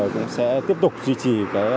cũng sẽ tiếp tục duy trì